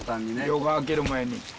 夜が明ける前に。